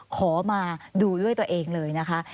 ขอมาดูด้วยตัวเองเลยนะคะ